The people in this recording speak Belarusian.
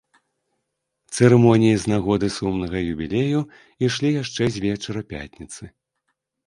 Цырымоніі з нагоды сумнага юбілею ішлі яшчэ з вечара пятніцы.